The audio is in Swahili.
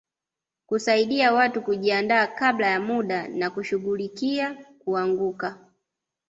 Kusaidia watu kujiandaa kabla ya muda na kushughulikia kuanguka